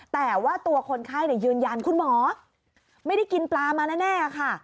แต่ว่าตัวคนไข้ยืนยันคุณหมอไม่ได้กินปลามาแน่ค่ะ